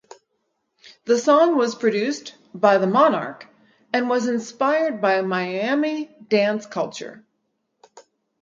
The song was produced by The Monarch and was inspired by Miami dance culture.